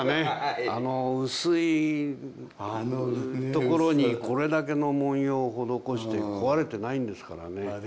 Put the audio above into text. あの薄いところにこれだけの文様を施して壊れてないんですからね。